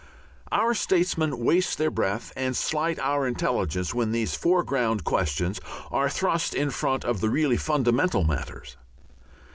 Our statesmen waste their breath and slight our intelligence when these foreground questions are thrust in front of the really fundamental matters.